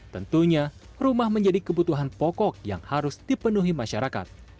tentunya rumah menjadi kebutuhan pokok yang harus dipenuhi masyarakat